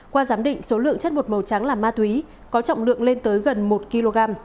qua giám định số lượng chất bột màu trắng là ma túy có trọng lượng lên tới gần một kg